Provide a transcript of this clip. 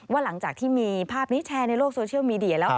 หลังจากที่มีภาพนี้แชร์ในโลกโซเชียลมีเดียแล้ว